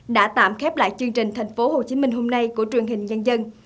đã tạm khép lại chương trình tp hcm hôm nay của truyền hình nhân dân